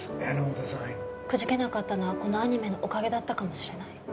「くじけなかったのはこのアニメのおかげだったかもしれない」。